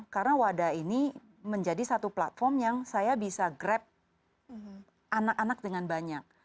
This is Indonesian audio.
karena wadah ini menjadi satu platform yang saya bisa grab anak anak dengan banyak